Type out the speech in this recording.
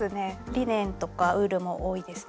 リネンとかウールも多いですね。